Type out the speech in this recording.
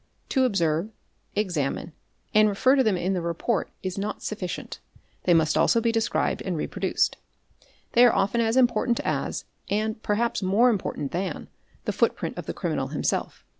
'To observe, examine, and refer to them in the report is not sufficient, they must also be described and reproduced. They are often as important as and perhaps more important than, the footprint of the criminal himself.